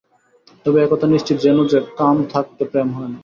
তবে এ-কথা নিশ্চিত জেনো যে, কাম থাকতে প্রেম হয় না।